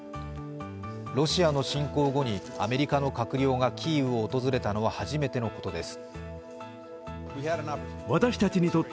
ロシアの侵攻後にアメリカの閣僚がキーウを訪れたのは初めてのことです。